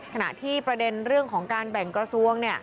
ขณะที่ประเด็นเรื่องของการแบ่งกระทรวง